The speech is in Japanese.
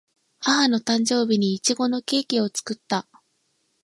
母の誕生日にいちごのケーキを作った